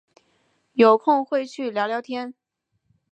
有空会去聊聊天